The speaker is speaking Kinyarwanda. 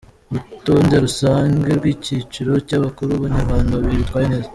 Urutonde rusange rw’ikiciro cy’abakuru, abanyarwanda babiri bitwaye neza.